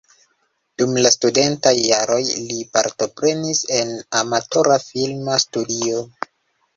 Dum la studentaj jaroj li partoprenis en amatora filma studio.